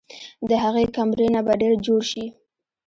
د هغې کمرې نه به ډېران جوړ شي